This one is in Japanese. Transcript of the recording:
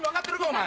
お前。